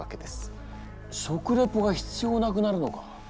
食レポが必要なくなるのか？